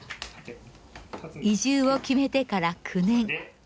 移住を決めてから９年。